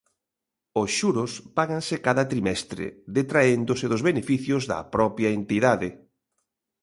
Os xuros páganse cada trimestre detraéndose dos beneficios da propia entidade.